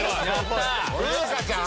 風花ちゃん？